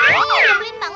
iya pindah bangun ke sini